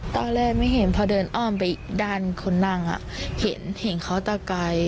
ตอนแรกไม่เห็นพอเดินอ้อมอีกด้านคนนางอ่ะเห็นเห็นเขาโต๊ะกาย